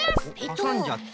はさんじゃった。